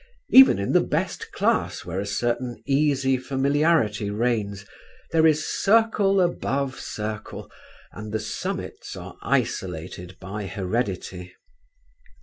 Even in the best class where a certain easy familiarity reigns there is circle above circle, and the summits are isolated by heredity.